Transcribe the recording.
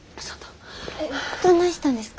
どないしたんですか？